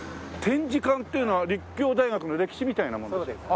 展示館というのは立教大学の歴史みたいなものですか？